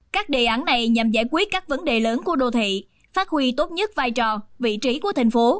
các đề án này nhằm giải quyết các vấn đề lớn của đô thị phát huy tốt nhất vai trò vị trí của thành phố